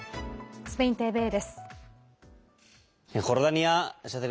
スペインＴＶＥです。